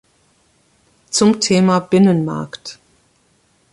Zum Thema Binnenmarkt.